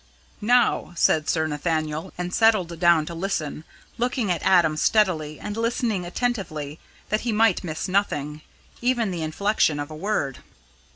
"Now!" said Sir Nathaniel, and settled down to listen, looking at Adam steadily and listening attentively that he might miss nothing even the inflection of a word.